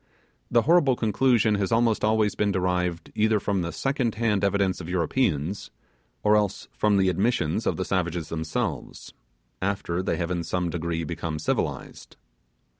The horrible conclusion has almost always been derived from the second hand evidence of Europeans, or else from the admissions of the savages themselves, after they have in some degree become civilized.